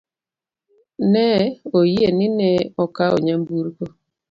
Ne oyie ni ne okawo nyamburko.